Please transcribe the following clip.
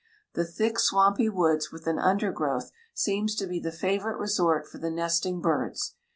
The thick swampy woods with an undergrowth seems to be the favorite resort for the nesting birds.